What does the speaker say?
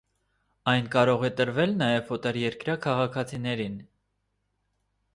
Այն կարող է տրվել նաև օտարերկրյա քաղաքացիներին։